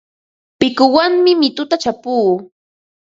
Pikuwanmi mituta chapuu.